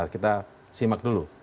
kita simak dulu